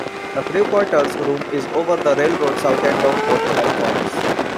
A crew quarters room is over the railroad south end of both platforms.